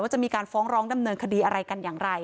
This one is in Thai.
จะมีการฟ้องร้องดำเนินคดีอะไรกันอย่างไร